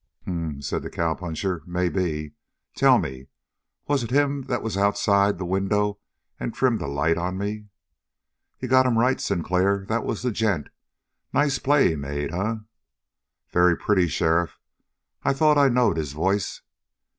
"H'm," said the cowpuncher. "Maybe! Tell me: Was it him that was outside the window and trimmed the light on me?" "You got him right, Sinclair. That was the gent. Nice play he made, eh?" "Very pretty, sheriff. I thought I knowed his voice."